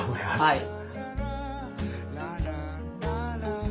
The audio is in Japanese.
はい。